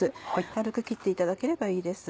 軽くきっていただければいいです。